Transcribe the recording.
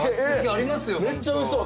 めっちゃおいしそう。